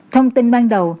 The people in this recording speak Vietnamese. thông tin ban đầu